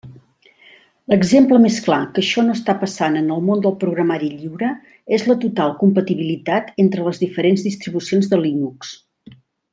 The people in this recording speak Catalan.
L'exemple més clar que això no està passant en el món del programari lliure és la total compatibilitat entre les diferents distribucions de Linux.